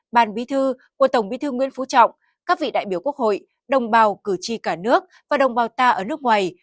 ban bí thư của tổng bí thư nguyễn phú trọng các vị đại biểu quốc hội đồng bào cử tri cả nước và đồng bào ta ở nước ngoài